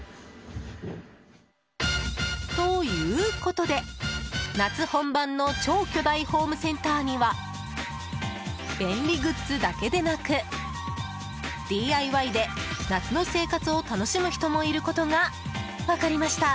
ということで、夏本番の超巨大ホームセンターには便利グッズだけでなくＤＩＹで夏の生活を楽しむ人もいることが分かりました。